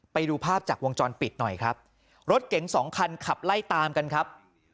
ไปดูภาพจากวงจรปิดหน่อยครับรถเก๋งสองคันขับไล่ตามกันครับ